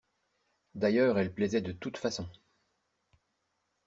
D'ailleurs elle plaisait de toutes façons.